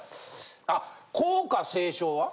あ校歌斉唱は？